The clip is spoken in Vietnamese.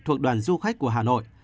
thuộc đoàn du khách của hà nội